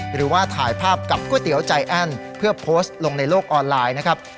หรือว่าถ่ายภาพกับก๋วยเตี๋ยวใจแอ้นเพื่อโพสต์ลงในโลกออนไลน์นะครับ